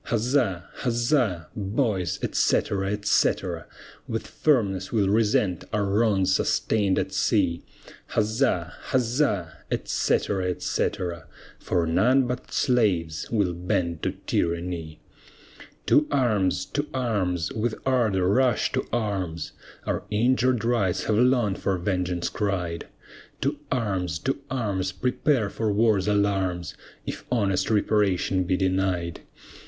Huzza! huzza! boys, etc., etc. With firmness we'll resent our wrongs sustain'd at sea; Huzza! huzza! etc., etc. For none but slaves will bend to tyranny. To arms, to arms, with ardor rush to arms, Our injured rights have long for vengeance cried. To arms, to arms, prepare for war's alarms, If honest reparation be denied.